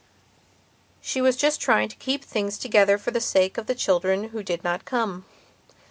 She was just trying to keep things together for the sake of the children who did not come.